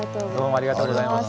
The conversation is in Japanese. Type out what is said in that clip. ありがとうございます。